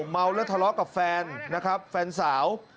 เมาแล้วทะเลาะกับแฟนนะครับแฟนสาว